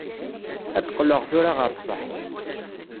Ad d-qqleɣ tura ɣer ṣṣeḥ.